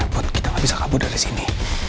buat kita gak bisa kabur dari sini